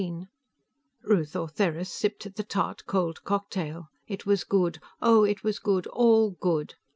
XVII Ruth Ortheris sipped at the tart, cold cocktail. It was good; oh, it was good, all good!